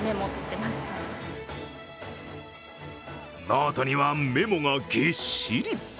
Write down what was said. ノートにはメモがぎっしり。